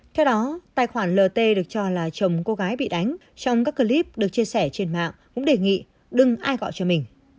theo đó tài khoản lt được cho là chồng cô gái bị đánh trong các clip được chia sẻ trên mạng cũng đề nghị đừng ai gọi cho mình